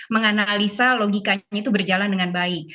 menganalisa logikanya itu berjalan dengan baik